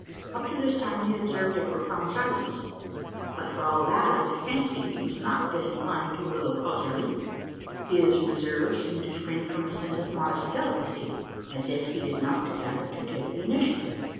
Up to this time, he had observed a profound silence; but for all that, I fancied he was not disinclined to a little causerie. His reserve seemed to spring from a sense of modest delicacy as if he did not desire to take the initiative.